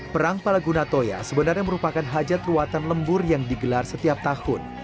perang palaguna toya sebenarnya merupakan hajat ruatan lembur yang digelar setiap tahun